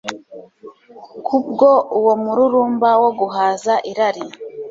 Kubwo uwo mururumba wo guhaza irari